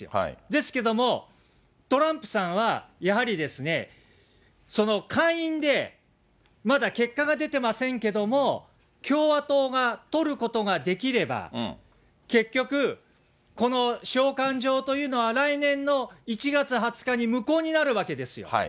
ですけども、トランプさんはやはりその下院でまだ結果が出てませんけども、共和党が取ることができれば、結局この召喚状というのは来年の１月２０日に無効になるわけですよ。